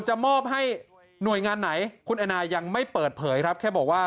จะมอบให้หน่วยงานไหนคุณแอนนายังไม่เปิดเผยครับแค่บอกว่า